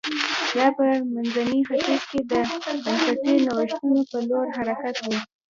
دا په منځني ختیځ کې د بنسټي نوښتونو په لور حرکت و